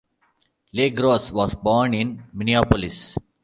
LeGros was born in Minneapolis.